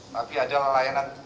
tapi adalah layanan